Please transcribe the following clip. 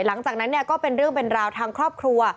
หลังจากนั้นเนี่ยก็เป็นเรื่องเป็นราวทางครอบครัว